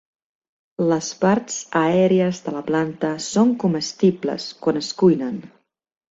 Les parts aèries de la planta són comestibles quan es cuinen.